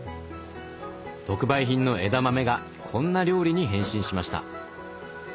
特売品の枝豆がこんな料理に変身しました。